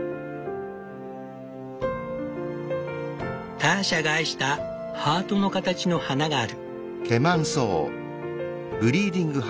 ターシャが愛したハートの形の花がある。